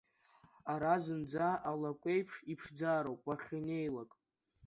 Ара зынӡа алакәеиԥш иԥшӡароуп уахьнеилак…